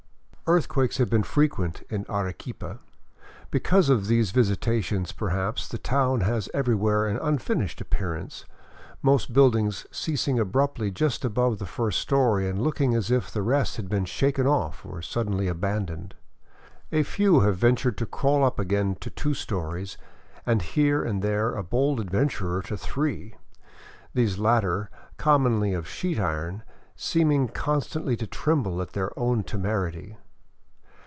Earthquakes have been frequent in Arequipa. Because of these visitations, per haps, the town has everywhere an unfinished appearance, most build ings ceasing abruptly just above the first story and looking as if the rest had been shaken off or suddenly abandoned. A few have ven tured to crawl up again to two stories, and here and there a bold adventurer to three, these latter, commonly of sheet iron, seeming constantly to tremble at their own temerity.